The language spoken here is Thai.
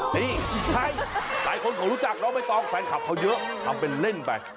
นี่ใช่หลายคนคงรู้จักน้องใบตองแฟนคลับเขาเยอะทำเป็นเล่นไป